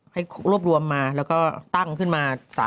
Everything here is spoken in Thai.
ให้รวบรวมมาแล้วก็ตั้งขึ้นมา